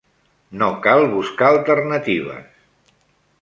No cal buscar alternatives.